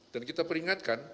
dan kita peringatkan